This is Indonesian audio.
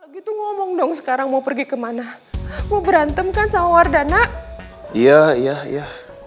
gitu ngomong dong sekarang mau pergi kemana mau berantem kan sama wardana iya iya